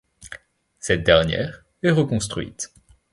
Cette dernière est reconstruite.